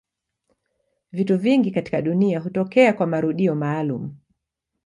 Vitu vingi katika dunia hutokea kwa marudio maalumu.